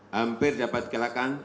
hampir dapat dikirakan